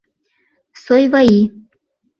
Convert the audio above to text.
— Сойваи.